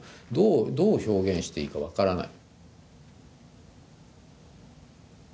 どう表現していいか分からない。